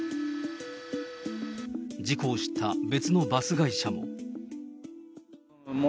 事故を知った別のバス会社も。